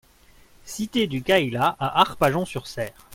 Cité du Cayla à Arpajon-sur-Cère